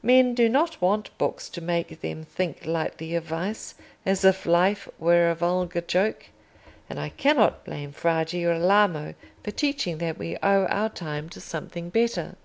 Men do not want books to make them think lightly of vice, as if life were a vulgar joke. And I cannot blame Fra Girolamo for teaching that we owe our time to something better."